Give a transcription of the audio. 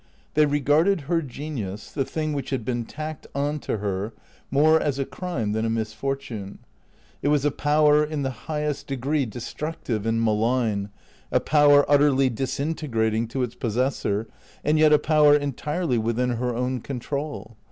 They regarded her genius (the thing which had been tacked on to her) more as a crime than a misfortune. It was a power in the highest degree destructive and malign, a power utterly disintegrating to its possessor, and yet a power entirely within her own control.